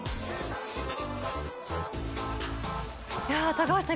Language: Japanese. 高橋さん